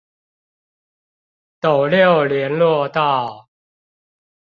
斗六聯絡道